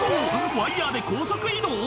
ワイヤで高速移動？